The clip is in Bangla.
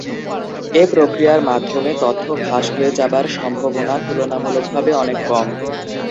এ প্রক্রিয়ার মাধ্যমে তথ্য ফাঁস হয়ে যাবার সম্ভাবনা তুলনামূলকভাবে অনেক কম।